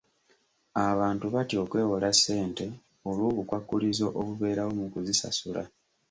Abantu batya okwewola ssente olw'obukwakkulizo obubeerawo mu kuzisasula.